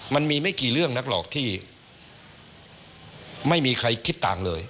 มันมีไม่กี่เรื่องนักหรอกที่ไม่มีใครคิดต่างเลย